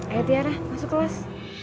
ayo tiara masuk kelas